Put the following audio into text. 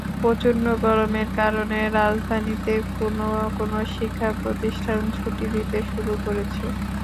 প্রচণ্ড গরমের কারণে রাজধানীতে কোনো কোনো শিক্ষাপ্রতিষ্ঠান ছুটি দিতে শুরু করেছে।